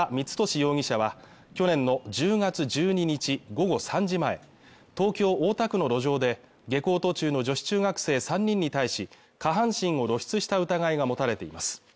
容疑者は去年の１０月１２日午後３時前東京大田区の路上で下校途中の女子中学生３人に対し下半身を露出した疑いが持たれています